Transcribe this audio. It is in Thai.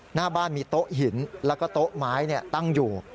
หน้าบ้านมีโต๊ะหินแล้วก็โต๊ะไม้ตั้งอยู่